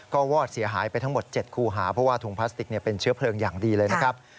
ก็วอดเสียหายไปทั้งหมด๗คู่หาเพราะว่าถุงพลาสติกเป็นเชื้อเพลิงอย่างดีเลยนะครับ